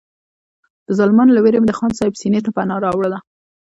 د ظالمانو له وېرې مې د خان صاحب سینې ته پناه راوړله.